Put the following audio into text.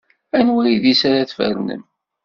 Anwa idis ara tfernem?